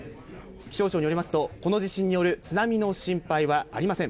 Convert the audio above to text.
気象庁によりますと、この地震による津波の心配はありません。